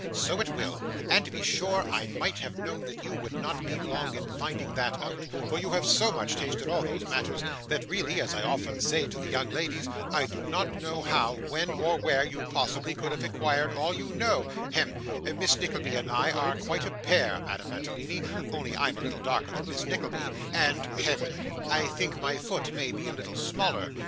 'So it will; and to be sure I might have known that you would not be long in finding that out; for you have so much taste in all those matters, that really, as I often say to the young ladies, I do not know how, when, or where, you possibly could have acquired all you know hem Miss Nickleby and I are quite a pair, Madame Mantalini, only I am a little darker than Miss Nickleby, and hem I think my foot may be a little smaller.